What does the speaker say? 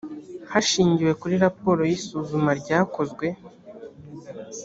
hashingiwe kuri raporo y’ isuzuma ryakozwe